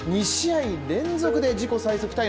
２試合連続で、自己最速